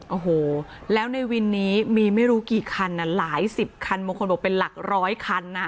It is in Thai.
โอ้โหแล้วในวินนี้มีไม่รู้กี่คันหลายสิบคันบางคนบอกเป็นหลักร้อยคันนะ